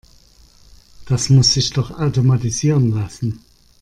Das muss sich doch automatisieren lassen.